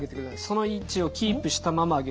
その位置をキープしたまま上げる。